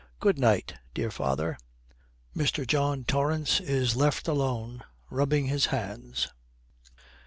'Good night, dear father.' Mr. John Torrance is left alone, rubbing his hands.